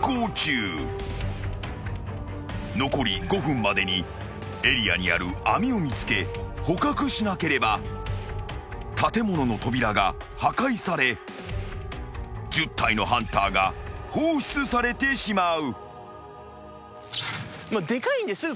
［残り５分までにエリアにある網を見つけ捕獲しなければ建物の扉が破壊され１０体のハンターが放出されてしまう］